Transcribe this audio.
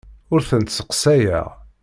Ur tent-sseqsayeɣ.